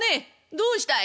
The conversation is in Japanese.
「どうしたい？」。